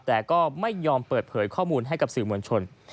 แต่ก็ไม่ยอมเปิดเผยข้อมูลให้กับสื่อมวลชน